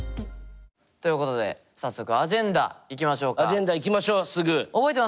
ということで早速アジェンダいきましょうすぐ。